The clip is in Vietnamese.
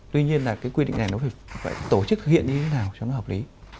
tuy nhiên là cái quy định này nó phải tổ chức hiện như thế nào cho nó hợp lý